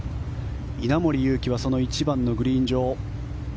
稲森佑貴は１番のグリーン上。